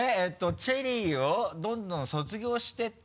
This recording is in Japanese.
チェリーをどんどん卒業していった？